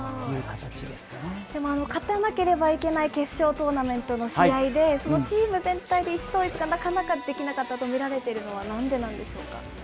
でも勝たなければいけない決勝トーナメントの試合で、そのチーム全体で意思統一がなかなかできなかったと見られているのはなんでなんでしょうか。